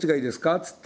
っつって。